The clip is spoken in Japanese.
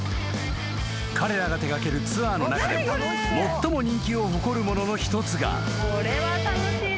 ［彼らが手掛けるツアーの中で最も人気を誇るものの一つが］